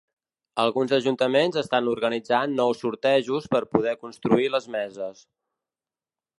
Alguns ajuntaments estan organitzant nous sortejos per poder constituir les meses.